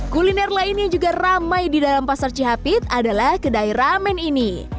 kuliner lain yang juga ramai di dalam pasar cihapit adalah kedai ramen ini